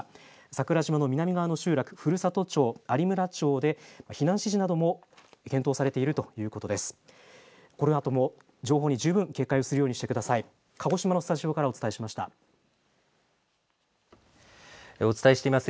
桜島の南側の集落、古里町、有村町で避難指示なども検討されているということです。